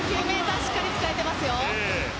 しっかり使えてますよ。